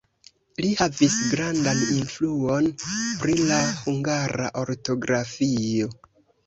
Li havis grandan influon pri la hungara ortografio.